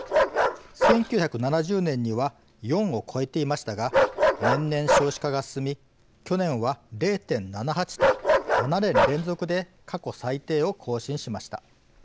１９７０年には４を超えていましたが年々少子化が進み去年は０．７８と７年連続で過去最低を更新しました。